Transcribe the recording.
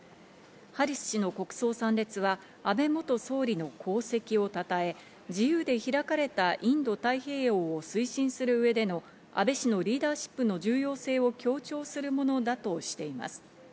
ハリス氏の国葬参列は安倍元総理の功績をたたえ、自由で開かれたインド太平洋を推進する上での安倍氏のリーダーシップの重要性を強調するものだとしています。